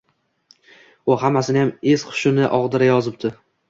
U hammasiniyam es-hushini og‘dirayozibdi.